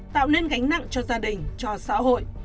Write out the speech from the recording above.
tạo nên gánh nặng cho gia đình cho xã hội